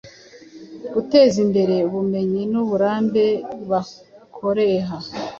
guteza imbere ubumenyi nuburambe bakoreha